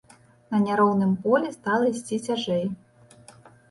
На няроўным полі стала ісці цяжэй.